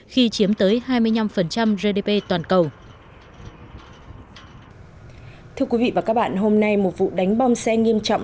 khi chiếm tới hai mươi năm gdp toàn cầu thưa quý vị và các bạn hôm nay một vụ đánh bom xe nghiêm trọng